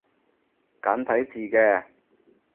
簡體字嘅